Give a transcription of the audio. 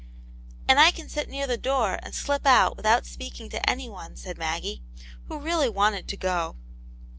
*' And I can sit near the door and slip out without speaking to anyone," said Maggie, who really wanted to go.